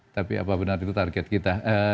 tapi apa benar itu target kita